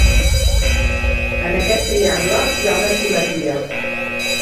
En aquest triangle hi ha una asimetria.